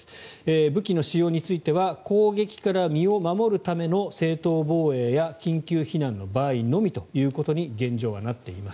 武器の使用については攻撃から身を守るための正当防衛や緊急避難の場合のみということに現状はなっています。